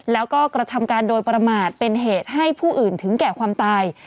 แล้วก็กระทำการโดยประมาทเป็นเหตุให้ผู้อื่นถึงแก่ความตาย